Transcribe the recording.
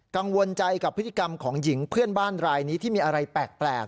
กังวลใจกับพฤติกรรมของหญิงเพื่อนบ้านรายนี้ที่มีอะไรแปลก